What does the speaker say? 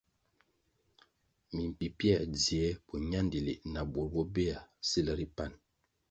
Mi mpimpier dzie bo ñandili na bur bubuéa sil ri pan.